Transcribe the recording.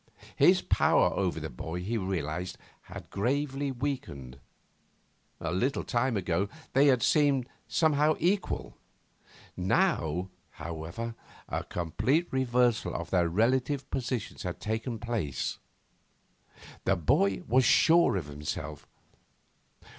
His power over the boy, he realised, had gravely weakened. A little time ago they had seemed somehow equal. Now, however, a complete reversal of their relative positions had taken place. The boy was sure of himself.